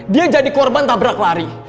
dia jadi korban tabrak lari